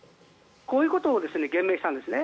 こういうことを言明したんですね。